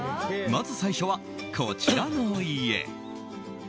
まず最初は、こちらの家。